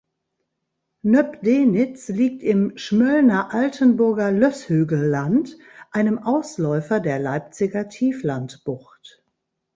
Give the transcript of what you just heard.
Nöbdenitz liegt im "Schmöllner-Altenburger-Lösshügelland", einem Ausläufer der Leipziger Tieflandbucht.